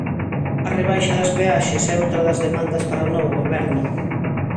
A rebaixa das peaxes é outra das demandas para o novo Goberno.